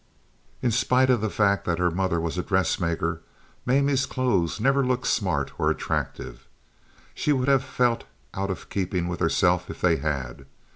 In spite of the fact that her mother was a dressmaker, Mamie's clothes never looked smart or attractive—she would have felt out of keeping with herself if they had.